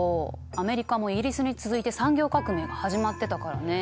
アメリカもイギリスに続いて産業革命が始まってたからね。